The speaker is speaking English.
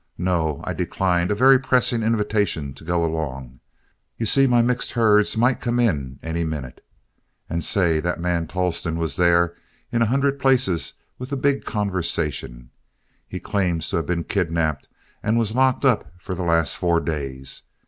No; I declined a very pressing invitation to go along you see my mixed herds might come in any minute. And say, that man Tolleston was there in a hundred places with the big conversation; he claims to have been kidnapped, and was locked up for the last four days.